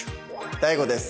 ＤＡＩＧＯです。